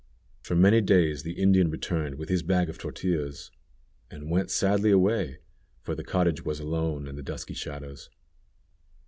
For many days the Indian returned with his bag of tortillas, and went sadly away, for the cottage was alone in the dusky shadows.